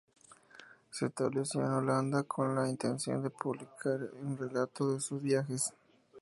Se estableció en Holanda con la intención de publicar un relato de sus viajes.